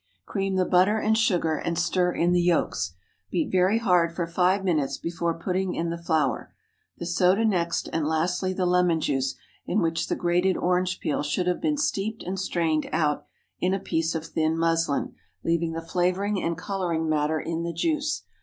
Cream the butter and sugar, and stir in the yolks. Beat very hard for five minutes before putting in the flour. The soda next, and lastly the lemon juice, in which the grated orange peel should have been steeped and strained out in a piece of thin muslin, leaving the flavoring and coloring matter in the juice.